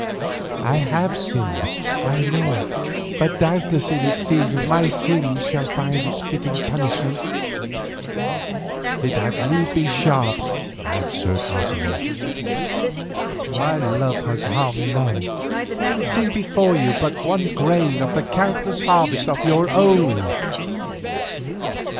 I have sinned, I know, but doubtless in its season my sin shall find a fitting punishment." "It had need be sharp," answered Otomie. "My love has harmed none, see before you but one grain of the countless harvest of your own.